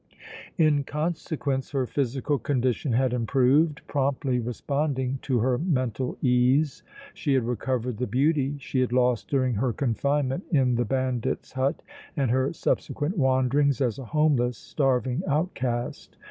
In consequence her physical condition had improved, promptly responding to her mental ease. She had recovered the beauty she had lost during her confinement in the bandits' hut and her subsequent wanderings as a homeless, starving outcast.